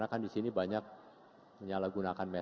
karena kan di sini banyak penyalahgunaan teknologi